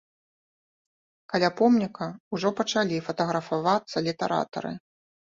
Каля помніка ўжо пачалі фатаграфавацца літаратары.